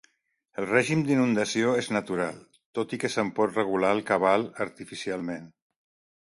El règim d'inundació és natural, tot i que se'n pot regular el cabal artificialment.